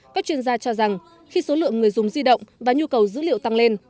các chuyên gia cho rằng khi số lượng người dùng di động và nhu cầu dữ liệu tăng lên